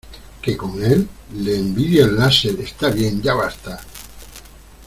¿ Qué con él? Le envidia el láser. ¡ está bien, ya basta!